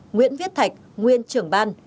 nguyễn viết thạch nguyên trưởng ban